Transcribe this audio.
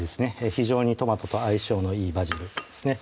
非常にトマトと相性のいいバジルですね